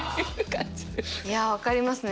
いや分かりますね。